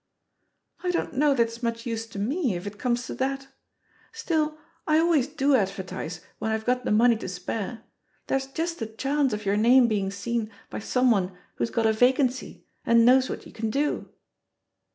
"I don't know that it's much use to me, if it comes to that. Still, I always do advertise when I've got the money to spare; there's just the chance of your name being acen by someone who's got a vacancy and knows what you can do."